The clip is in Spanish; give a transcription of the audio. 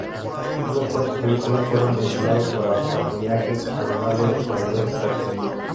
Unos cuantos vehículos fueron empleados para patrullaje a lo largo del corredor persa.